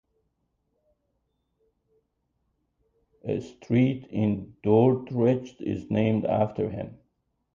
A street in Dordrecht is named after him.